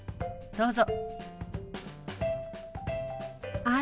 どうぞ。